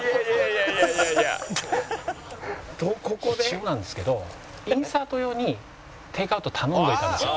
一応なんですけどインサート用にテイクアウト頼んでおいたんですよ。